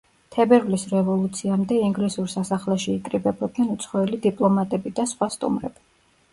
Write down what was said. თებერვლის რევოლუციამდე ინგლისურ სასახლეში იკრიბებოდნენ უცხოელი დიპლომატები და სხვა სტუმრები.